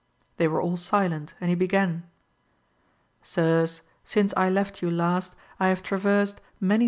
They were all silent, and he began. Sirs, since I left you last I have traversed many 60 AMADIS OF GAUL.